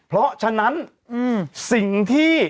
เพราะฉะนั้นสิ่งที่